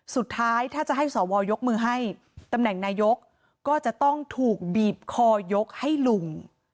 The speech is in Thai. สุดท้ายถ้าจะให้สวยกมือให้ตำแหน่งนายกก็จะต้องถูกบีบคอยกให้ลุง